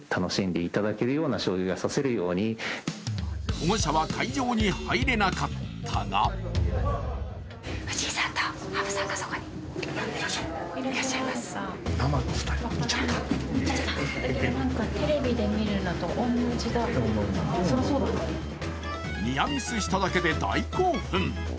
保護者は会場に入れなかったがニアミスしただけで大興奮。